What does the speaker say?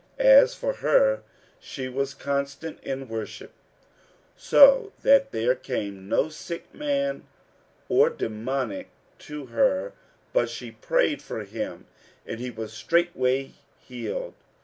As for her, she was constant in worship, so that there came no sick man or demoniac to her, but she prayed for him and he was straightway healed.